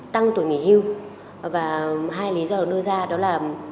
tăng tuổi nghỉ hưu và hai lý do được đưa ra đó là